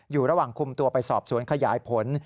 อยู่ระหว่างคุมตัวไปสอบสวนขยายผล